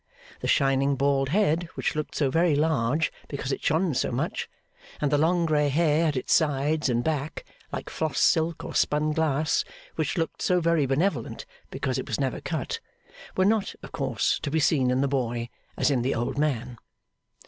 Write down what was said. The shining bald head, which looked so very large because it shone so much; and the long grey hair at its sides and back, like floss silk or spun glass, which looked so very benevolent because it was never cut; were not, of course, to be seen in the boy as in the old man.